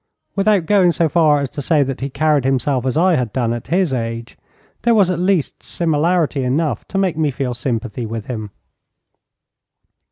Without going so far as to say that he carried himself as I had done at his age, there was at least similarity enough to make me feel in sympathy with him.